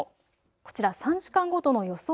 こちら、３時間ごとの予想